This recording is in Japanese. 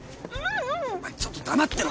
お前ちょっと黙ってろ。